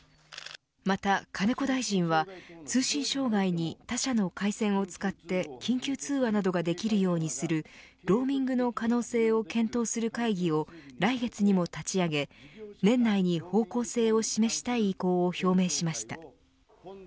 また金子大臣は、通信障害に他社の回線を使って緊急通話などができるようにするローミングの可能性を検討する会議を来月にも立ち上げ年内に方向性を示したい意向を表明しました。